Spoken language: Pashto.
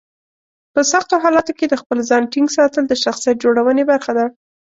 په سختو حالاتو کې د خپل ځان ټینګ ساتل د شخصیت جوړونې برخه ده.